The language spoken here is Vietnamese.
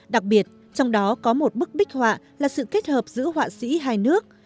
đặc biệt trong đó có một bức bích họa là sự kết hợp giữa họa sĩ hai nước